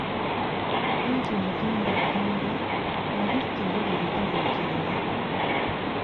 Anti Omuganda agamba "Abikka ebibiri tabojjerera".